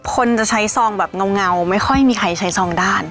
คนจะใช้ซองแบบเงาไม่ค่อยมีใครใช้ซองด้าน